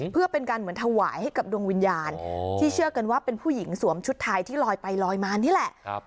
เพื่อเป็นการเหมือนถวายให้กับดวงวิญญาณที่เชื่อกันว่าเป็นผู้หญิงสวมชุดไทยที่ลอยไปลอยมานี่แหละ